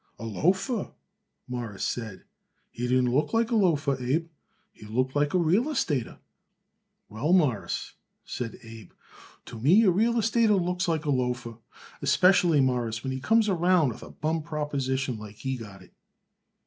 "A loafer!" Morris said. "He didn't look like a loafer, Abe. He looked like a real estater." "Well, Mawruss," said Abe, "to me a real estater looks like a loafer, especially, Mawruss, when he comes around with a bum proposition like he got it."